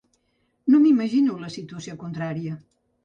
No m’imagino la situació contrària.